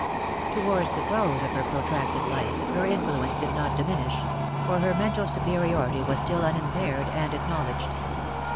Towards the close of her protracted life, her influence did not diminish; for her mental superiority was still unimpaired and acknowledged.